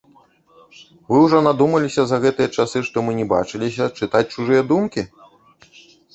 Вы ўжо надумаліся за гэтыя часы, што мы не бачыліся, чытаць чужыя думкі?